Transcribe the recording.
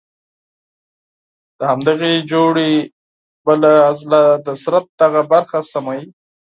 د همدغې جوړې بله عضله د بدن دغه برخه سموي.